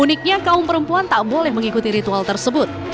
uniknya kaum perempuan tak boleh mengikuti ritual tersebut